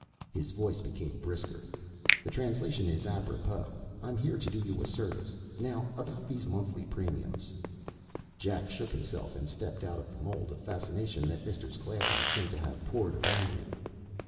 His voice became brisker. "The translation is apropos. I'm here to do you a service. Now, about these monthly premiums ..." Jack shook himself and stepped out of the mold of fascination that Mister's glasses seemed to have poured around him.